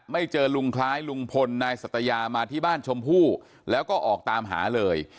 เจอลุงคล้ายลุงพลนายสัตยามาที่บ้านชมพู่แล้วก็ออกตามหาเลย